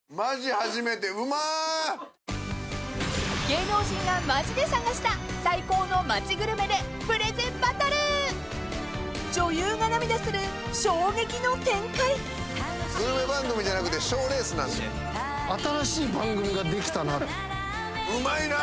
うまいね。